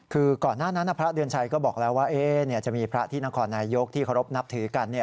คือก่อนหน้านั้นพระเดือนชัยก็บอกแล้วว่าจะมีพระที่นครนายกที่เคารพนับถือกัน